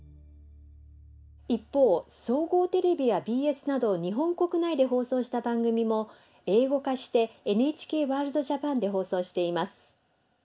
一方総合テレビやＢＳなど日本国内で放送した番組も英語化して「ＮＨＫワールドＪＡＰＡＮ」で放送しています。